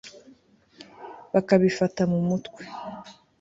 bakabifata mu mutwe